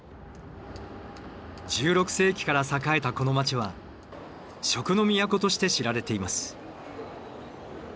１６世紀から栄えたこの街は食の都として知られています。